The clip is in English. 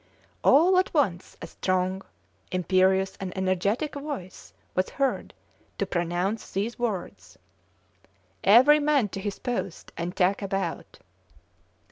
All at once a strong, imperious, and energetic voice was heard to pronounce these words: "Every man to his post and tack about!"